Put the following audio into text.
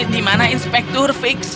di mana inspektur fix